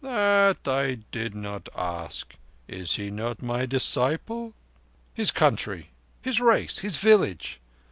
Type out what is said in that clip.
"That I did not ask. Is he not my disciple?" "His country—his race—his village?